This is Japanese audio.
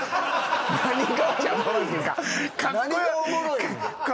何がおもしろいん。